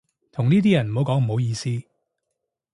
同呢啲人唔好講唔好意思